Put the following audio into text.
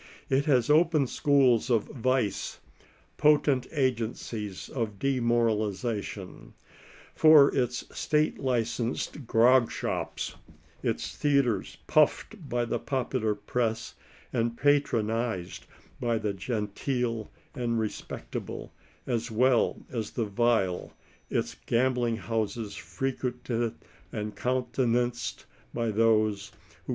It has open schools of vice, potent agencies of demoralization. For its state licensed grog shops, its theatres pufifed by the popular press and patro nized by the " genteeP' and respectable," as well as the vile, its gambling houses frequented and countenanced by those wb9 10 110 De?